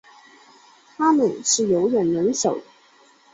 它们是游泳能手。